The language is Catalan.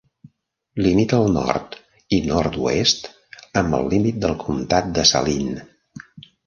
Limita al nord i nord-oest amb el límit del comtat de Saline.